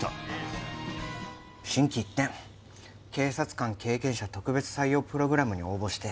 心機一転警察官経験者特別採用プログラムに応募して。